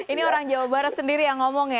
ini orang jawa barat sendiri yang ngomong ya